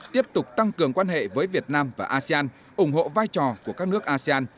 tiếp tục tăng cường quan hệ với việt nam và asean ủng hộ vai trò của các nước asean